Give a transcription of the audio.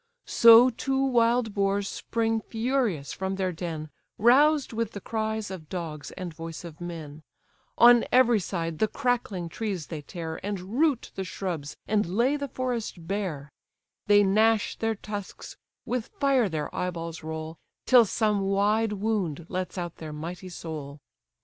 So two wild boars spring furious from their den, Roused with the cries of dogs and voice of men; On every side the crackling trees they tear, And root the shrubs, and lay the forest bare; They gnash their tusks, with fire their eye balls roll, Till some wide wound lets out their mighty soul.